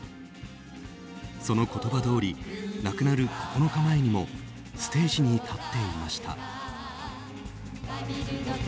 その言葉どおり亡くなる９日前にもステージに立っていました。